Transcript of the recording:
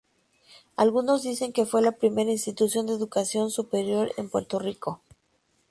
Algunos dicen que fue la primera institución de educación superior en Puerto Rico.